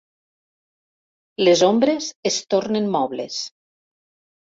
Les ombres es tornen mobles.